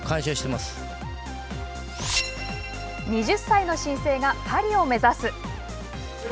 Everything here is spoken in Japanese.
２０歳の新星がパリを目指す！